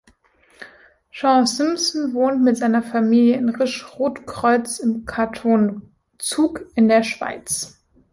Sean Simpson wohnt mit seiner Familie in Risch-Rotkreuz im Kanton Zug in der Schweiz.